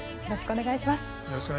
よろしくお願いします。